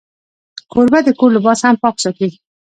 کوربه د کور لباس هم پاک ساتي.